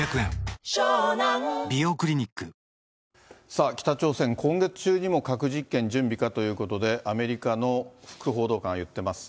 さあ、北朝鮮、今月中にも核実験準備かということで、アメリカの副報道官が言っています。